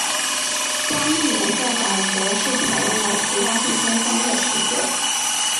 加密演算法则是采用了其他第三方的实作。